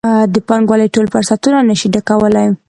د پانګونې ټول فرصتونه نه شي ډکولی.